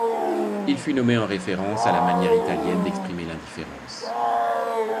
Il fut nommé en référence à la manière italienne d'exprimer l'indifférence.